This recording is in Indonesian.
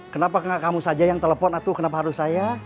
kenapa kamu saja yang telepon aduh kenapa harus saya